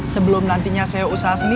sebelum nantinya saya usaha seni